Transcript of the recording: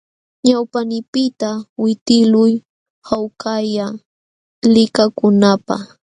Ñawpaqniiypiqta witiqluy hawkalla likakunaapaq.